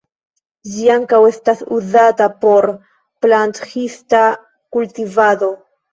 Ĝi ankaŭ estas uzata por planthista kultivado.